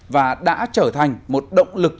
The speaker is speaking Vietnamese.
và đã trở thành một động lực